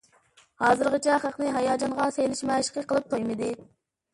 ھازىرغىچە خەقنى ھاياجانغا سېلىش مەشىقى قىلىپ تويمىدى.